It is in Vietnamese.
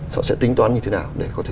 họ sẽ tính toán như thế nào để có thể